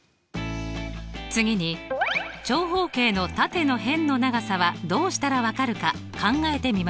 次に長方形のタテの辺の長さはどうしたら分かるか考えてみましょう。